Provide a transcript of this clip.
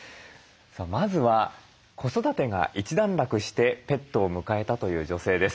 まずは子育てが一段落してペットを迎えたという女性です。